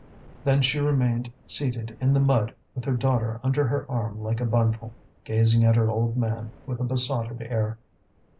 Then she remained seated in the mud with her daughter under her arm like a bundle, gazing at her old man with a besotted air.